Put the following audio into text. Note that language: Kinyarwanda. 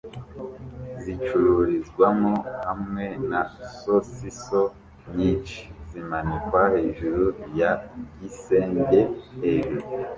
zicururizwamo hamwe na sosiso nyinshi zimanikwa hejuru ya gisenge hejuru